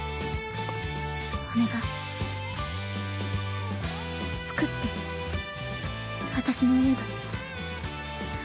お願い作って私の映画。